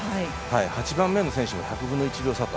８番目の選手でも１００分の１秒差と。